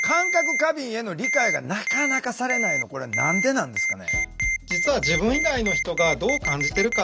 過敏への理解がなかなかされないのこれ何でなんですかね。